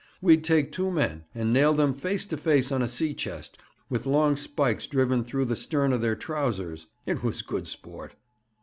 'We'd take two men, and nail them face to face on a sea chest, with long spikes driven through the stern of their trousers. It was good sport.'